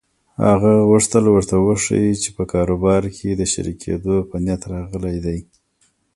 هغه غوښتل ورته وښيي چې په کاروبار کې د شريکېدو په نيت راغلی دی.